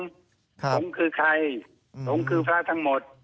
สงฆ์คือใครสงฆ์คือพระทั้งหมด